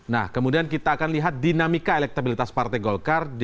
nah kemudian kita akan lihat dinamika elektabilitas partai golkar